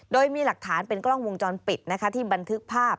โดยมีหลักฐานเป็นกล้องวงจรปิดที่บันทึกภาพ